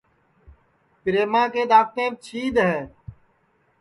پِریما کے دؔانٚتینٚم چھِیدؔ ہے